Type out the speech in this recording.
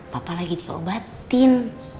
papa lagi diobatin